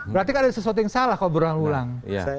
berarti kan ada sesuatu yang salah kalau berulang ulang